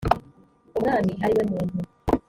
umwami ari we muntu